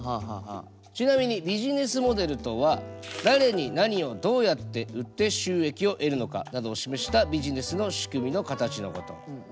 ちなみにビジネスモデルとは誰に何をどうやって売って収益を得るのかなどを示したビジネスの仕組みの形のこと。